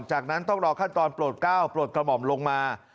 จากนั้นต้องรอขั้นตอนโปรดก้าวโปรดกระหม่อมลงมา